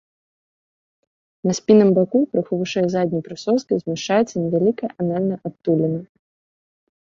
На спінным баку крыху вышэй задняй прысоскі змяшчаецца невялікая анальная адтуліна.